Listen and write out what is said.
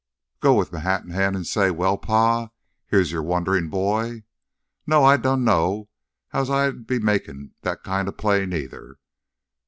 "Go with m' hat in hand an' say, 'Well, Pa, here's your wanderin' boy'? No, I dunno as how I'd be makin' that kinda play neither.